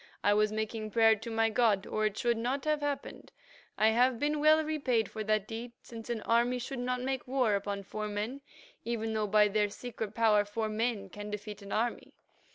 I was making prayer to my god, or it should not have happened. I have been well repaid for that deed, since an army should not make war upon four men, even though by their secret power four men can defeat an army.